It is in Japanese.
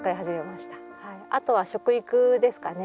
あとは食育ですかね